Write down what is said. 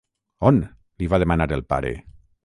On? —li va demanar el pare.